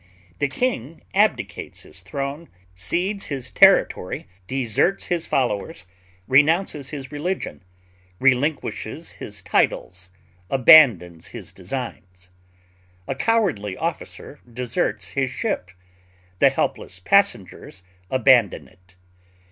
The king abdicates his throne, cedes his territory, deserts his followers, renounces his religion, relinquishes his titles, abandons his designs. A cowardly officer deserts his ship; the helpless passengers abandon it.